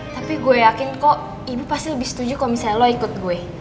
tapi gue yakin kok ibu pasti lebih setuju kalau misalnya lo ikut gue